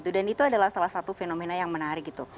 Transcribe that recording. dan itu adalah salah satu fenomena yang menarik